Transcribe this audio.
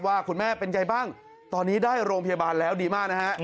ว่าคุณแม่เป็นไงบ้างตอนนี้ได้โรงพยาบาลแล้วดีมากนะฮะ